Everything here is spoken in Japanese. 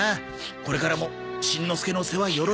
これからもしんのすけの世話よろしくな。